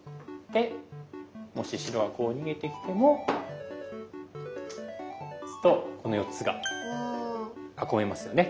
もし白がこう逃げてきても打つとこの４つが囲めますよね。